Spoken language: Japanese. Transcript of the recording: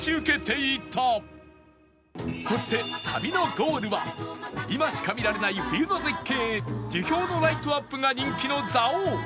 そして旅のゴールは今しか見られない冬の絶景樹氷のライトアップが人気の蔵王